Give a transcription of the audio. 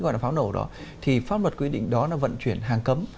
gọi là pháo nổ đó thì pháp luật quy định đó là vận chuyển hàng cấm